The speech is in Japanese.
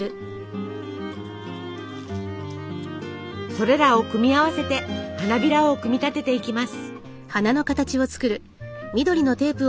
それらを組み合わせて花びらを組み立てていきます。